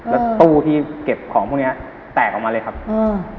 แล้วตู้ที่เก็บของพวกเนี้ยแตกออกมาเลยครับอืม